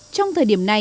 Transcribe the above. trong thời điểm này